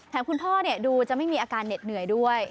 คุณพ่อดูจะไม่มีอาการเหน็ดเหนื่อยด้วย